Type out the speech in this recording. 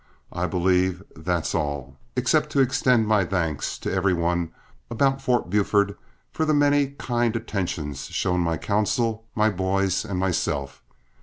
I believe that's all, except to extend my thanks to every one about Fort Buford for the many kind attentions shown my counsel, my boys, and myself.